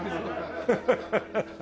ハハハハ！